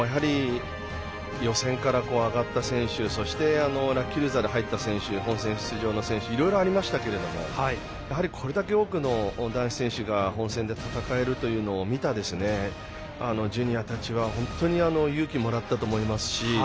予選から上がった選手そしてラッキールーザーで入って本戦出場の選手いろいろありましたがやはりこれだけ多くの男子選手が本戦で戦えるというのを見たジュニアたちは本当に勇気をもらったと思いますし。